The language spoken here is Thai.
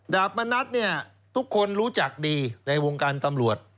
มณัฐเนี่ยทุกคนรู้จักดีในวงการตำรวจ